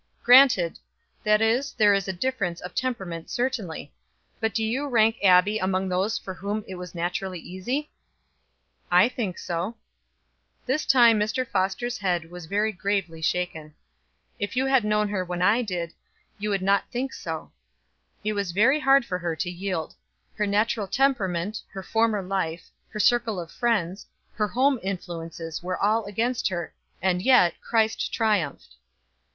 "Granted that is, there is a difference of temperament certainly. But do you rank Abbie among those for whom it was naturally easy?" "I think so." This time Mr. Foster's head was very gravely shaken. "If you had known her when I did you would not think so. It was very hard for her to yield. Her natural temperament, her former life, her circle of friends, her home influences were all against her, and yet Christ triumphed."